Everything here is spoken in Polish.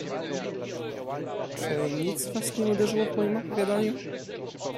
"Czy nic was nie uderzyło w moim opowiadaniu?"